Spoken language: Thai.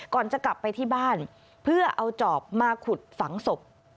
ก่อนจะกลับไปที่บ้านเพื่อเอาจอบมาขุดฝังศพ